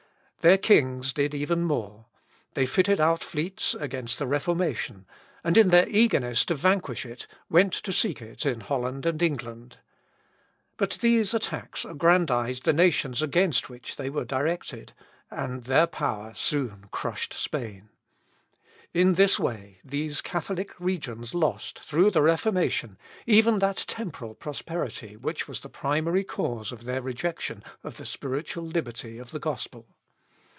Their kings did even more. They fitted out fleets against the Reformation, and in their eagerness to vanquish it, went to seek it in Holland and England. But these attacks aggrandised the nations against which they were directed, and their power soon crushed Spain. In this way, these Catholic regions lost, through the Reformation, even that temporal prosperity which was the primary cause of their rejection of the spiritual liberty of the gospel.